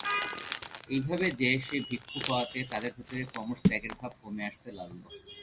এইভাবে যে-সে ভিক্ষু হওয়াতে তাদের ভেতরে ক্রমশ ত্যাগের ভাব কমে আসতে লাগল।